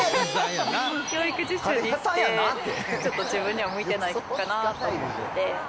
教育実習行って、ちょっと自分には向いてないかなと思って。